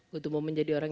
gue tumbuh menjadi orang